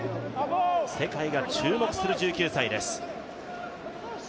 世界が注目する１９歳です。